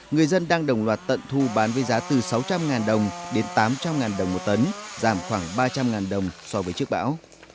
người dân đang đồng loạt tận thu bán với giá từ sáu trăm linh đồng đến tám trăm linh đồng một tấn giảm khoảng ba trăm linh đồng so với trước bão